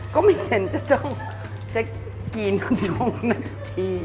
ก็ไม่เห็นจะต้องกินตรงนาที